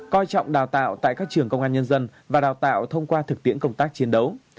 coi trọng đào tạo tại các trường công an nhân dân và đào tạo thông qua thực tiễn công tác chiến đấu